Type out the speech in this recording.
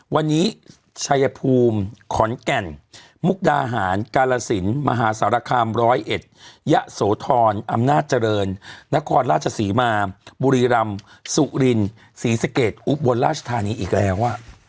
วันนี้ชัยภูมิขอนแก่นมุกดาหารกาลสินมหาสารคาม๑๐๑ยะโสธรอำนาจเจริญนครราชศรีมาบุรีรำสุรินศรีสะเกดอุบลราชธานีอีกแล้ว